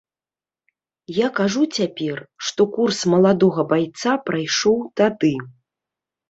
Я кажу цяпер, што курс маладога байца прайшоў тады.